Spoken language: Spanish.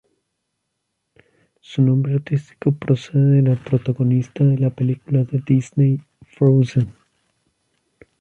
Su nombre artístico procede de la protagonista de la película de Disney "Frozen".